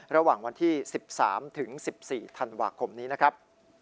ระหว่างวันที่๑๓ถึง๑๔ธันวาคมนี้นะครับ